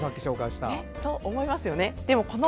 そう思いますよね。